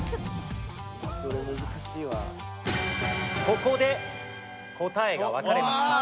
ここで答えが分かれました。